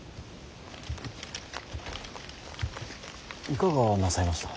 いかがなさいました。